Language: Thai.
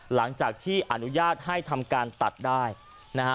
หลังจากที่อนุญาตให้ทำการตัดได้นะฮะ